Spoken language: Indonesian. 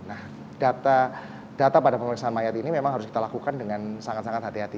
nah data pada pemeriksaan mayat ini memang harus kita lakukan dengan sangat sangat hati hati